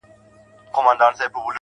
كلي كي ملا سومه ،چي ستا سومه,